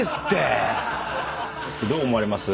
どう思われます？